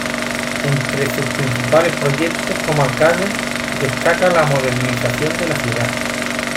Entre sus principales proyectos como alcalde destaca la modernización de la ciudad.